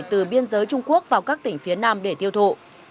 từ biên giới trung quốc vào các tỉnh phía nam để tiêu thụ